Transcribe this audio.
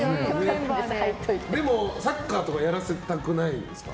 でもサッカーとかやらせたくないですか？